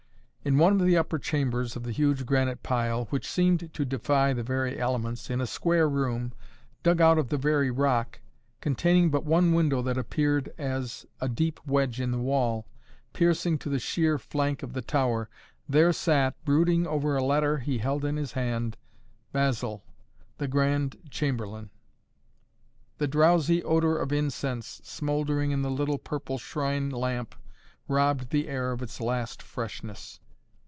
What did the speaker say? In one of the upper chambers of the huge granite pile, which seemed to defy the very elements, in a square room, dug out of the very rock, containing but one window that appeared as a deep wedge in the wall, piercing to the sheer flank of the tower, there sat, brooding over a letter he held in his hand, Basil, the Grand Chamberlain. The drowsy odor of incense, smouldering in the little purple shrine lamp, robbed the air of its last freshness.